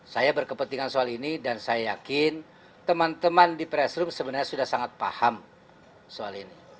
saya berkepentingan soal ini dan saya yakin teman teman di pressroom sebenarnya sudah sangat paham soal ini